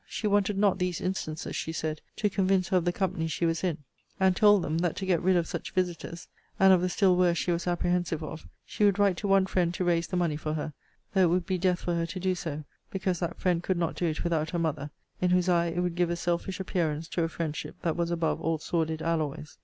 She wanted not these instances, she said, to convince her of the company she was in; and told them, that, to get rid of such visiters, and of the still worse she was apprehensive of, she would write to one friend to raise the money for her; though it would be death for her to do so; because that friend could not do it without her mother, in whose eye it would give a selfish appearance to a friendship that was above all sordid alloys.